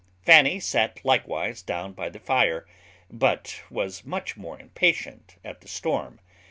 Fanny sat likewise down by the fire; but was much more impatient at the storm.